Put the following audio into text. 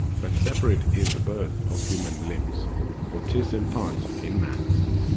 But separate is the birth of human limbs; For 'tis in part in man's .